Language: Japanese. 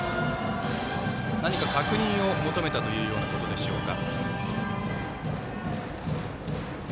何か確認を求めたというようなことでしょうか。